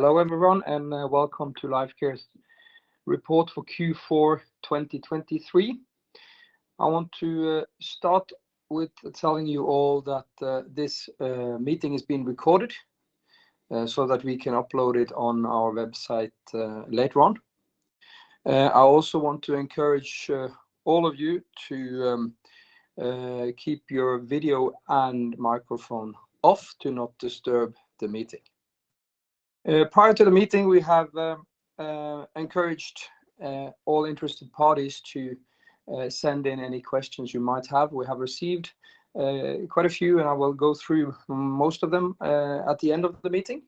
Hello everyone and welcome to Lifecare's report for Q4 2023. I want to start with telling you all that this meeting is being recorded so that we can upload it on our website later on. I also want to encourage all of you to keep your video and microphone off to not disturb the meeting. Prior to the meeting we have encouraged all interested parties to send in any questions you might have. We have received quite a few and I will go through most of them at the end of the meeting.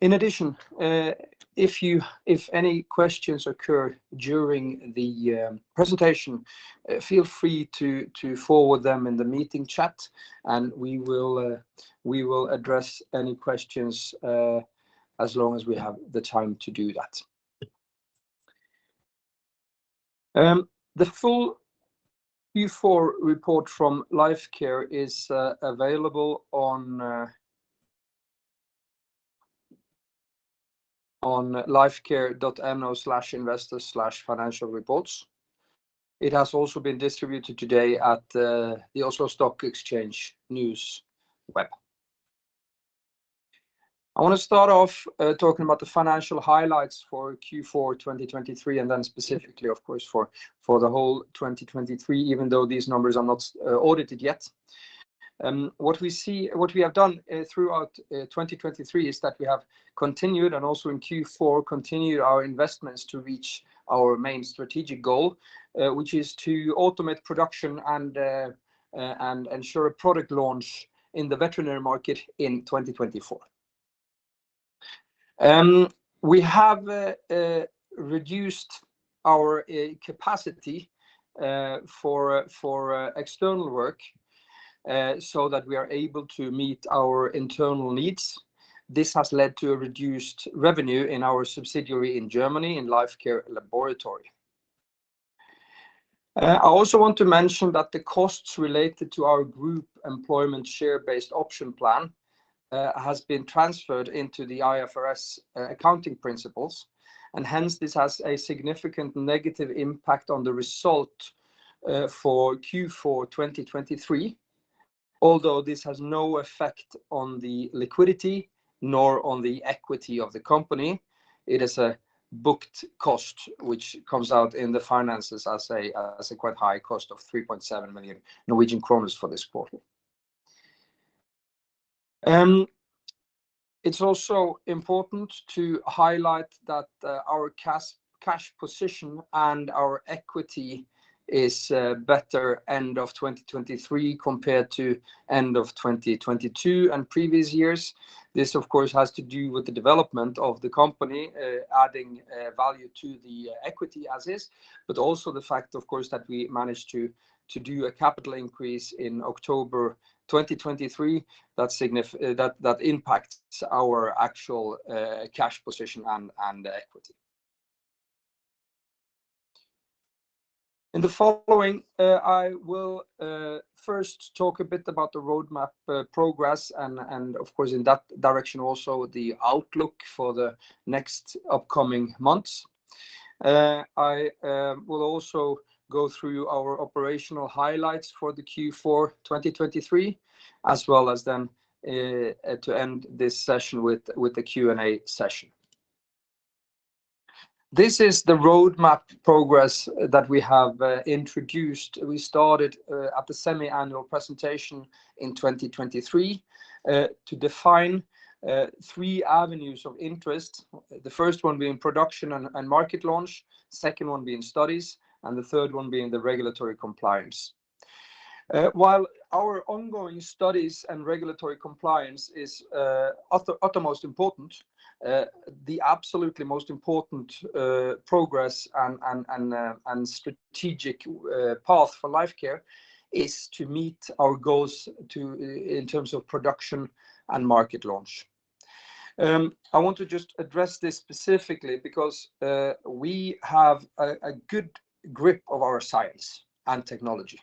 In addition, if any questions occur during the presentation feel free to forward them in the meeting chat and we will address any questions as long as we have the time to do that. The full Q4 report from Lifecare is available on lifecare.no/investors/financialreports. It has also been distributed today at the Oslo Stock Exchange NewsWeb. I want to start off talking about the financial highlights for Q4 2023 and then specifically of course for the whole 2023 even though these numbers are not audited yet. What we have done throughout 2023 is that we have continued and also in Q4 continued our investments to reach our main strategic goal which is to automate production and ensure a product launch in the veterinary market in 2024. We have reduced our capacity for external work so that we are able to meet our internal needs. This has led to a reduced revenue in our subsidiary in Germany in Lifecare Laboratory. I also want to mention that the costs related to our group employment share-based option plan has been transferred into the IFRS accounting principles and hence this has a significant negative impact on the result for Q4 2023 although this has no effect on the liquidity nor on the equity of the company. It is a booked cost which comes out in the finances as a quite high cost of 3.7 million Norwegian kroner for this quarter. It's also important to highlight that our cash position and our equity is better end of 2023 compared to end of 2022 and previous years. This of course has to do with the development of the company adding value to the equity as is but also the fact of course that we managed to do a capital increase in October 2023 that impacts our actual cash position and equity. In the following I will first talk a bit about the roadmap progress and of course in that direction also the outlook for the next upcoming months. I will also go through our operational highlights for the Q4 2023 as well as then to end this session with the Q&A session. This is the roadmap progress that we have introduced. We started at the semi-annual presentation in 2023 to define three avenues of interest. The first one being production and market launch, second one being studies, and the third one being the regulatory compliance. While our ongoing studies and regulatory compliance is uttermost important, the absolutely most important progress and strategic path for Lifecare is to meet our goals in terms of production and market launch. I want to just address this specifically because we have a good grip of our science and technology.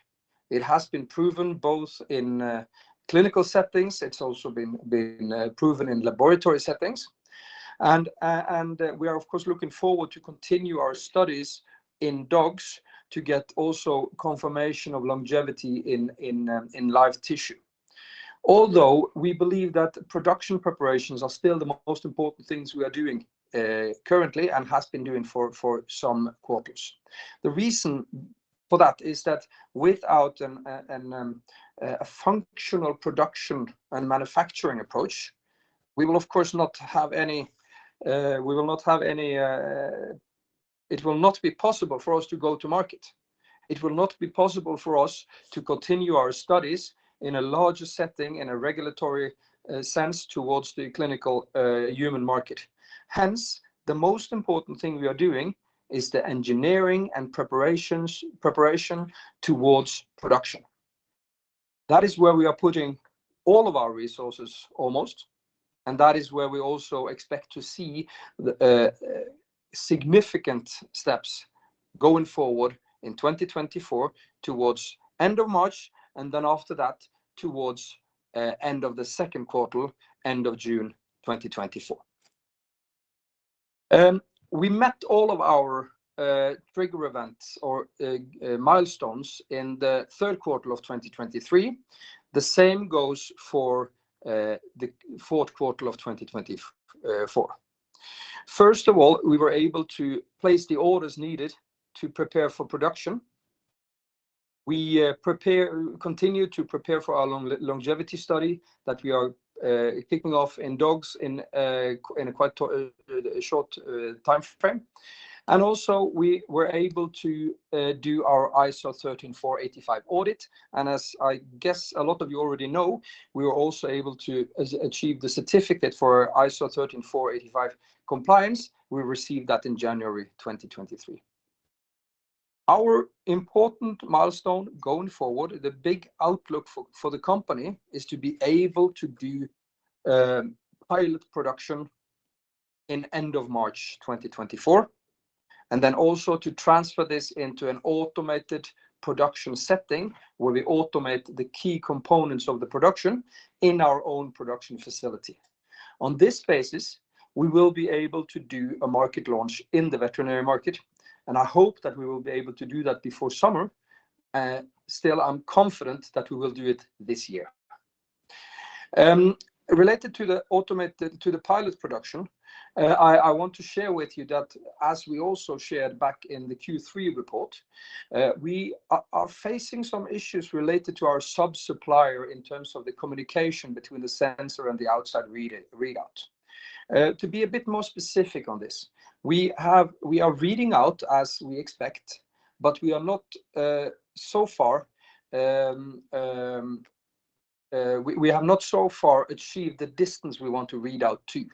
It has been proven both in clinical settings. It's also been proven in laboratory settings, and we are of course looking forward to continue our studies in dogs to get also confirmation of longevity in live tissue. Although we believe that production preparations are still the most important things we are doing currently and have been doing for some quarters. The reason for that is that without a functional production and manufacturing approach, we will of course not have any. It will not be possible for us to go to market. It will not be possible for us to continue our studies in a larger setting in a regulatory sense towards the clinical human market. Hence, the most important thing we are doing is the engineering and preparation towards production. That is where we are putting all of our resources almost and that is where we also expect to see significant steps going forward in 2024 towards end of March and then after that towards end of the second quarter, end of June 2024. We met all of our trigger events or milestones in the third quarter of 2023. The same goes for the fourth quarter of 2024. First of all, we were able to place the orders needed to prepare for production. We continue to prepare for our longevity study that we are kicking off in dogs in a quite short time frame. And also we were able to do our ISO 13485 audit and as I guess a lot of you already know we were also able to achieve the certificate for ISO 13485 compliance. We received that in January 2023. Our important milestone going forward, the big outlook for the company is to be able to do pilot production in end of March 2024 and then also to transfer this into an automated production setting where we automate the key components of the production in our own production facility. On this basis we will be able to do a market launch in the veterinary market and I hope that we will be able to do that before summer. Still I'm confident that we will do it this year. Related to the automated to the pilot production I want to share with you that as we also shared back in the Q3 report we are facing some issues related to our subsupplier in terms of the communication between the sensor and the outside readout. To be a bit more specific on this, we are reading out as we expect, but we are not so far; we have not so far achieved the distance we want to read out to.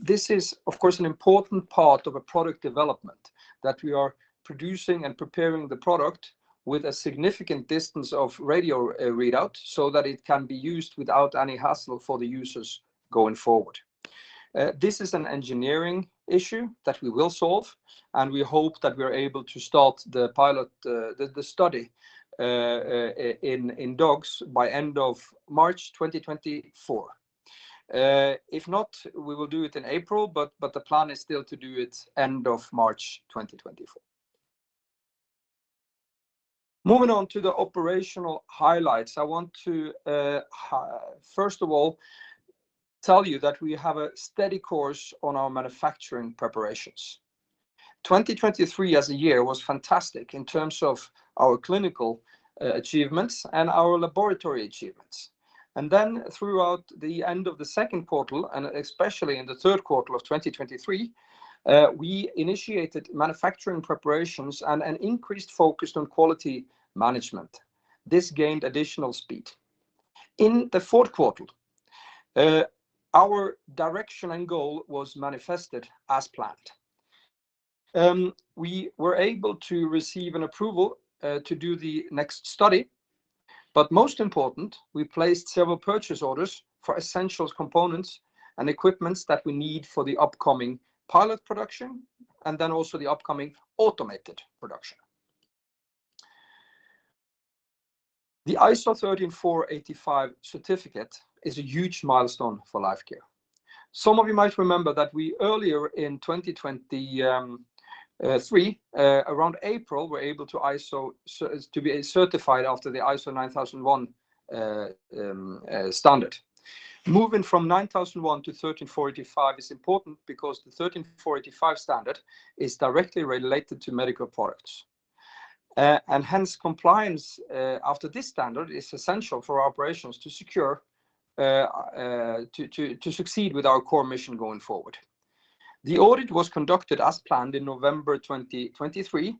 This is, of course, an important part of a product development that we are producing and preparing the product with a significant distance of radio readout so that it can be used without any hassle for the users going forward. This is an engineering issue that we will solve, and we hope that we are able to start the pilot study in dogs by end of March 2024. If not, we will do it in April, but the plan is still to do it end of March 2024. Moving on to the operational highlights, I want to first of all tell you that we have a steady course on our manufacturing preparations. 2023 as a year was fantastic in terms of our clinical achievements and our laboratory achievements. And then throughout the end of the second quarter and especially in the third quarter of 2023 we initiated manufacturing preparations and an increased focus on quality management. This gained additional speed. In the fourth quarter our direction and goal was manifested as planned. We were able to receive an approval to do the next study but most important we placed several purchase orders for essential components and equipment that we need for the upcoming pilot production and then also the upcoming automated production. The ISO 13485 certificate is a huge milestone for Lifecare. Some of you might remember that we earlier in 2023 around April were able to ISO to be certified after the ISO 9001 standard. Moving from 9001 to 13485 is important because the 13485 standard is directly related to medical products. Hence compliance after this standard is essential for operations to secure to succeed with our core mission going forward. The audit was conducted as planned in November 2023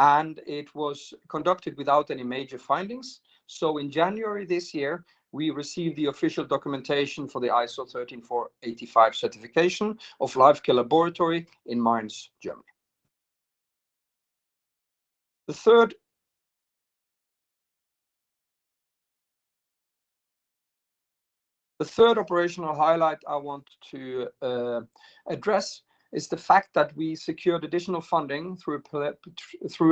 and it was conducted without any major findings. In January this year we received the official documentation for the ISO 13485 certification of Lifecare Laboratory in Mainz, Germany. The third operational highlight I want to address is the fact that we secured additional funding through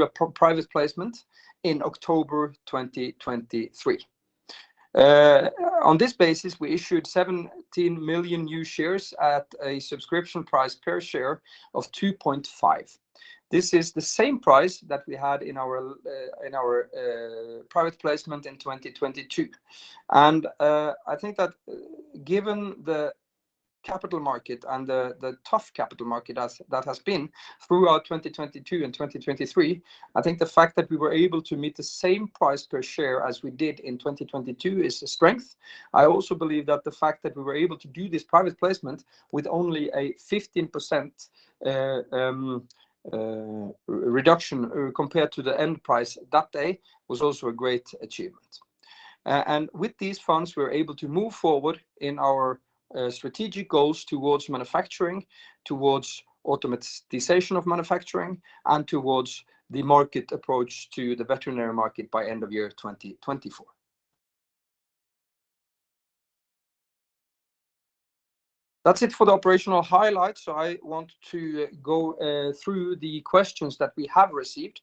a private placement in October 2023. On this basis we issued 17 million new shares at a subscription price per share of 2.5. This is the same price that we had in our private placement in 2022. I think that given the capital market and the tough capital market that has been throughout 2022 and 2023, I think the fact that we were able to meet the same price per share as we did in 2022 is a strength. I also believe that the fact that we were able to do this private placement with only a 15% reduction compared to the end price that day was also a great achievement. With these funds we were able to move forward in our strategic goals towards manufacturing, towards automatization of manufacturing, and towards the market approach to the veterinary market by end of year 2024. That's it for the operational highlights. I want to go through the questions that we have received.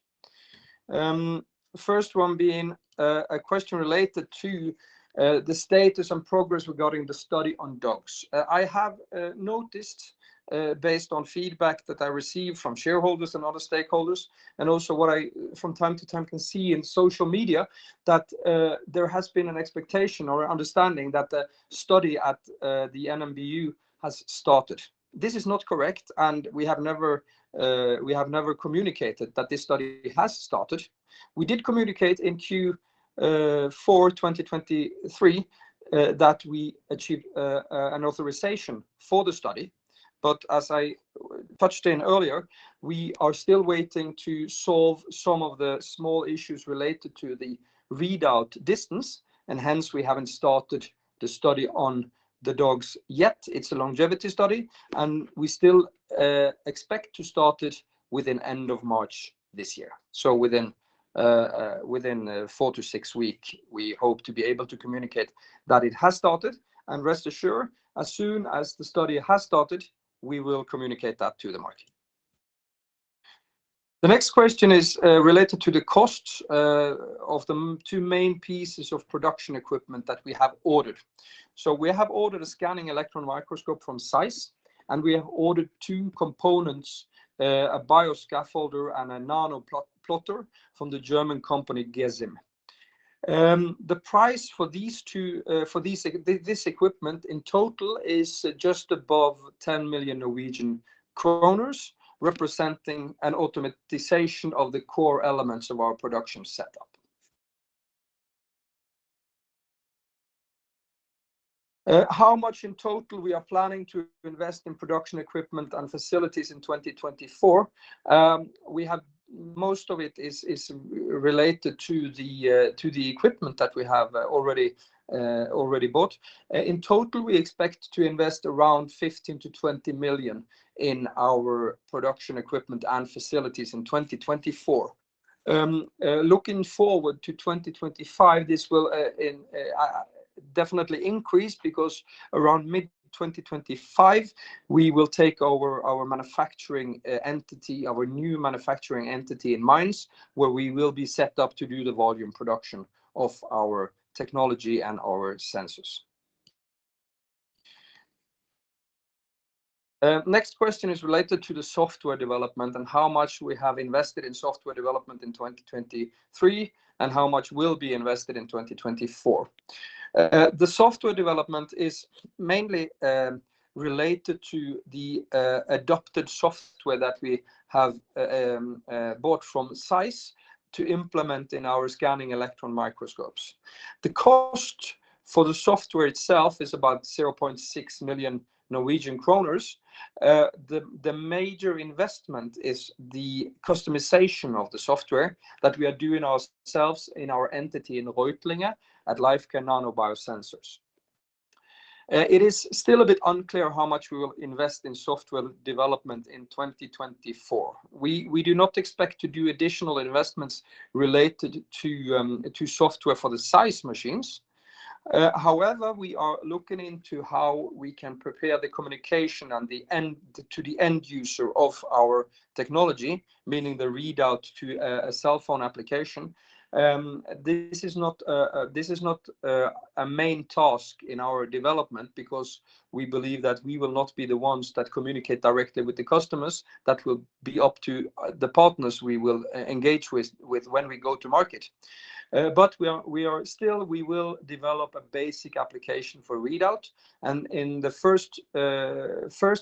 First one being a question related to the status and progress regarding the study on dogs. I have noticed based on feedback that I received from shareholders and other stakeholders and also what I from time to time can see in social media that there has been an expectation or an understanding that the study at the NMBU has started. This is not correct and we have never communicated that this study has started. We did communicate in Q4 2023 that we achieved an authorization for the study but as I touched in earlier we are still waiting to solve some of the small issues related to the readout distance and hence we haven't started the study on the dogs yet. It's a longevity study and we still expect to start it within end of March this year. So within 4-6 weeks we hope to be able to communicate that it has started and rest assured as soon as the study has started we will communicate that to the market. The next question is related to the cost of the 2 main pieces of production equipment that we have ordered. So we have ordered a scanning electron microscope from ZEISS and we have ordered 2 components, a BioScaffolder and a Nano-Plotter from the German company GeSiM. The price for these 2 for this equipment in total is just above 10 million Norwegian kroner representing an automation of the core elements of our production setup. How much in total we are planning to invest in production equipment and facilities in 2024? We have most of it is related to the equipment that we have already bought. In total we expect to invest around 15 million-20 million in our production equipment and facilities in 2024. Looking forward to 2025 this will definitely increase because around mid-2025 we will take over our manufacturing entity, our new manufacturing entity in Mainz where we will be set up to do the volume production of our technology and our sensors. Next question is related to the software development and how much we have invested in software development in 2023 and how much will be invested in 2024. The software development is mainly related to the adopted software that we have bought from ZEISS to implement in our scanning electron microscopes. The cost for the software itself is about 0.6 million Norwegian kroner. The major investment is the customization of the software that we are doing ourselves in our entity in Reutlingen at Lifecare NanoBioSensors. It is still a bit unclear how much we will invest in software development in 2024. We do not expect to do additional investments related to software for the ZEISS machines. However, we are looking into how we can prepare the communication and the end to the end user of our technology, meaning the readout to a cell phone application. This is not a main task in our development because we believe that we will not be the ones that communicate directly with the customers, that will be up to the partners we will engage with when we go to market. But we still will develop a basic application for readout and in the first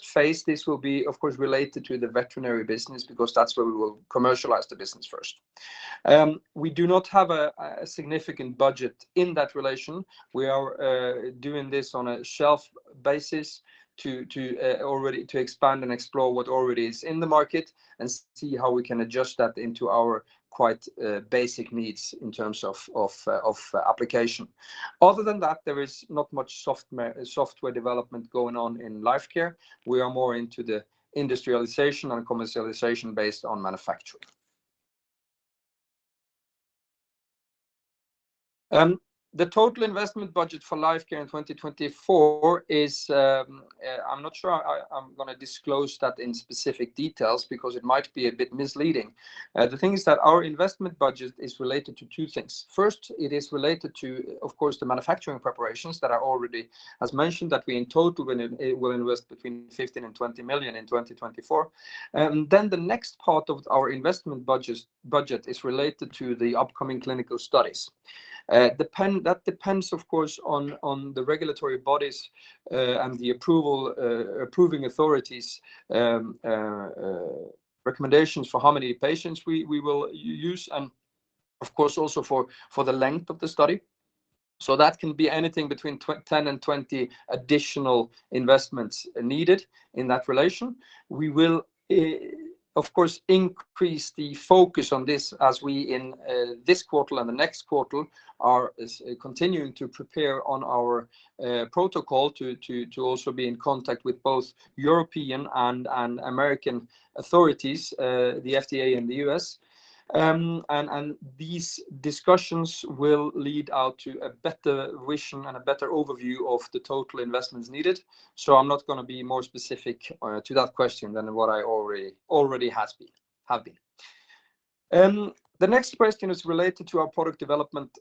phase this will be of course related to the veterinary business because that's where we will commercialize the business first. We do not have a significant budget in that relation. We are doing this on an off-the-shelf basis to already expand and explore what already is in the market and see how we can adjust that into our quite basic needs in terms of application. Other than that there is not much software development going on in Lifecare. We are more into the industrialization and commercialization based on manufacturing. The total investment budget for Lifecare in 2024 is. I'm not sure I'm going to disclose that in specific details because it might be a bit misleading. The thing is that our investment budget is related to two things. First it is related to of course the manufacturing preparations that are already as mentioned that we in total will invest 15 million-20 million in 2024. Then the next part of our investment budget is related to the upcoming clinical studies. That depends of course on the regulatory bodies and the approving authorities' recommendations for how many patients we will use and of course also for the length of the study. So that can be anything between 10 and 20 additional investments needed in that relation. We will of course increase the focus on this as we in this quarter and the next quarter are continuing to prepare on our protocol to also be in contact with both European and American authorities, the FDA and the US. And these discussions will lead out to a better vision and a better overview of the total investments needed. So I'm not going to be more specific to that question than what I already have been. The next question is related to our product development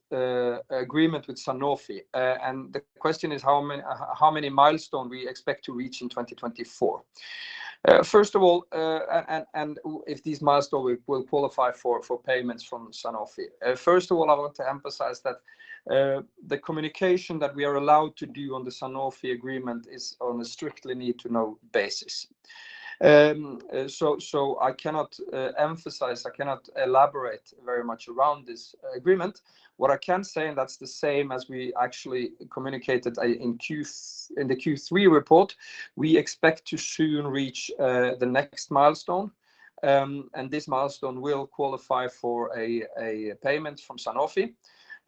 agreement with Sanofi and the question is how many milestones we expect to reach in 2024. First of all, and if these milestones will qualify for payments from Sanofi. First of all, I want to emphasize that the communication that we are allowed to do on the Sanofi agreement is on a strictly need-to-know basis. So, I cannot emphasize. I cannot elaborate very much around this agreement. What I can say, and that's the same as we actually communicated in the Q3 report, we expect to soon reach the next milestone, and this milestone will qualify for a payment from Sanofi.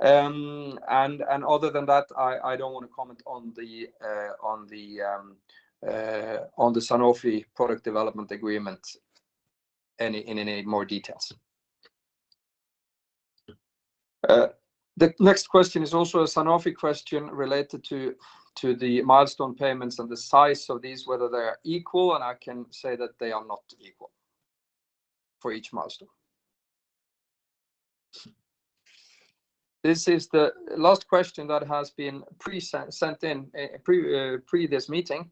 And other than that, I don't want to comment on the Sanofi product development agreement in any more details. The next question is also a Sanofi question related to the milestone payments and the size of these, whether they are equal, and I can say that they are not equal for each milestone. This is the last question that has been sent in a previous meeting.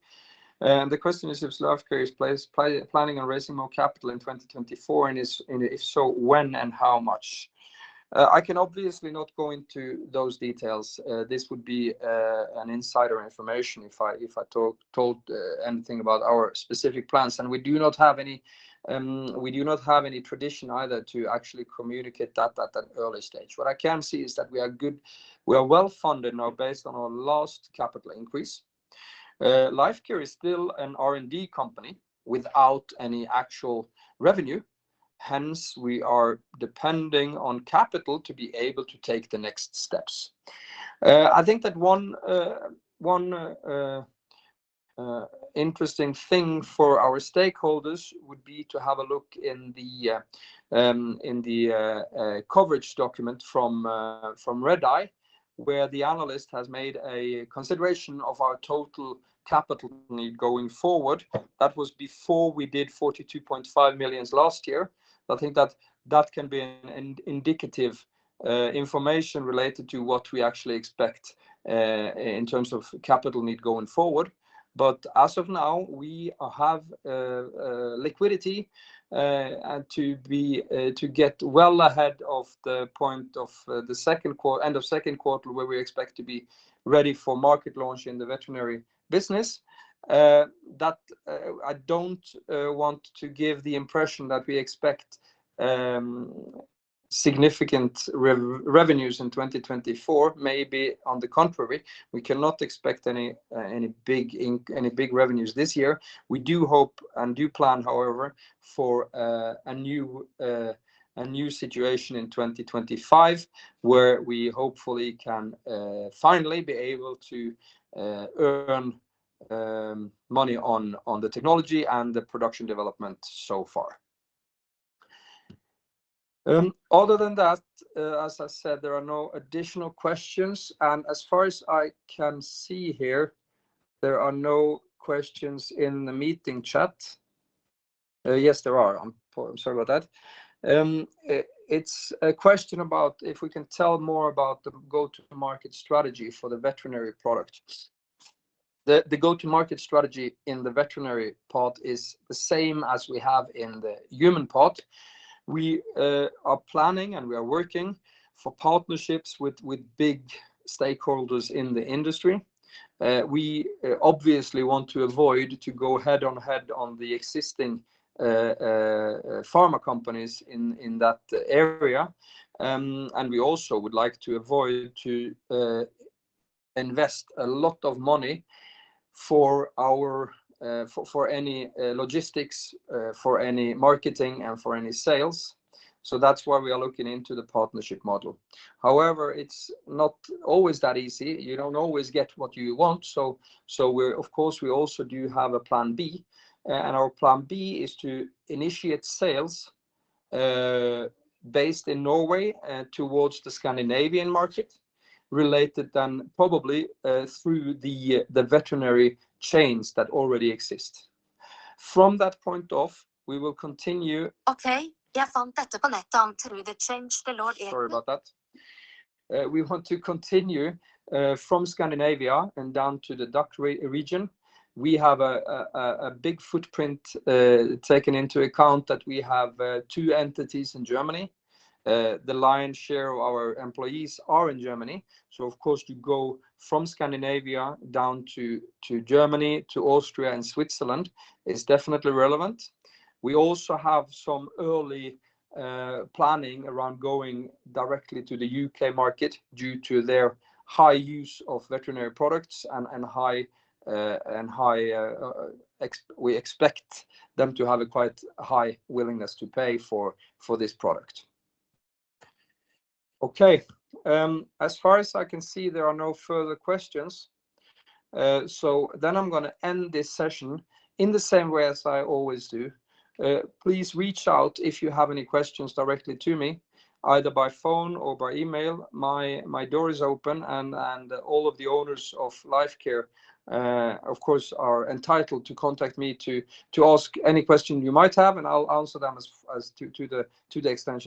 The question is if Lifecare is planning on raising more capital in 2024 and if so when and how much. I can obviously not go into those details. This would be an insider information if I told anything about our specific plans and we do not have any tradition either to actually communicate that at an early stage. What I can see is that we are well funded now based on our last capital increase. Lifecare is still an R&D company without any actual revenue. Hence we are depending on capital to be able to take the next steps. I think that one interesting thing for our stakeholders would be to have a look in the coverage document from RedEye where the analyst has made a consideration of our total capital need going forward. That was before we did 42.5 million last year. I think that that can be an indicative information related to what we actually expect in terms of capital need going forward. But as of now we have liquidity to get well ahead of the end of the second quarter where we expect to be ready for market launch in the veterinary business. That, I don't want to give the impression that we expect significant revenues in 2024. Maybe on the contrary, we cannot expect any big revenues this year. We do hope and do plan, however, for a new situation in 2025 where we hopefully can finally be able to earn money on the technology and the production development so far. Other than that, as I said, there are no additional questions, and as far as I can see here, there are no questions in the meeting chat. Yes, there are. I'm sorry about that. It's a question about if we can tell more about the go-to-market strategy for the veterinary product. The go-to-market strategy in the veterinary part is the same as we have in the human part. We are planning, and we are working for partnerships with big stakeholders in the industry. We obviously want to avoid to go head on head on the existing pharma companies in that area and we also would like to avoid to invest a lot of money for any logistics, for any marketing and for any sales. So that's why we are looking into the partnership model. However it's not always that easy. You don't always get what you want. So of course we also do have a plan B and our plan B is to initiate sales based in Norway towards the Scandinavian market related then probably through the veterinary chains that already exist. From that point off we will continue. We want to continue from Scandinavia and down to the Dutch region. We have a big footprint taken into account that we have two entities in Germany. The lion's share of our employees are in Germany. So of course you go from Scandinavia down to Germany, to Austria and Switzerland is definitely relevant. We also have some early planning around going directly to the UK market due to their high use of veterinary products and high, we expect them to have a quite high willingness to pay for this product. Okay, as far as I can see there are no further questions. So then I'm going to end this session in the same way as I always do. Please reach out if you have any questions directly to me either by phone or by email. My door is open and all of the owners of Lifecare of course are entitled to contact me to ask any question you might have and I'll answer them as to the extent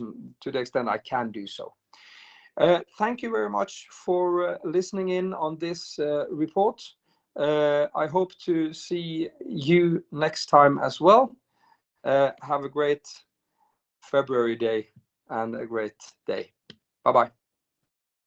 I can do so. Thank you very much for listening in on this report. I hope to see you next time as well. Have a great February day and a great day. Bye-bye.